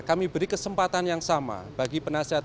kami beri kesempatan yang sama bagi penasihat